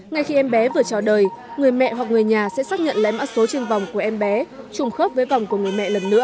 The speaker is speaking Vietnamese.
ngay khi em bé vừa chào đời người mẹ hoặc người nhà sẽ xác nhận lẽ mã số trên vòng của em bé trùng khớp với vòng của người mẹ lần nữa